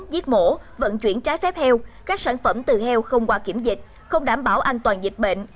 giết mổ vận chuyển trái phép heo các sản phẩm từ heo không qua kiểm dịch không đảm bảo an toàn dịch bệnh